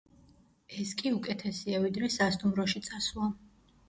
ეს კი უკეთესია, ვიდრე სასტუმროში წასვლა.